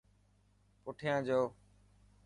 پٺيان جو.